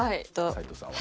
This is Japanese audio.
齊藤さんは？